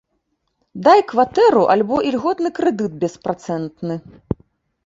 Дай кватэру альбо ільготны крэдыт беспрацэнтны.